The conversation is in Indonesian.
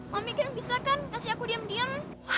mami kan bisa kan kasih aku diam diam